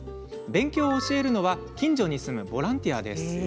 勉強を教えるのは近所に住むボランティアです。